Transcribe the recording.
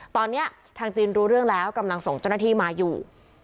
ตอนนี้ทางจีนรู้เรื่องแล้วกำลังส่งเจ้าหน้าที่มาอยู่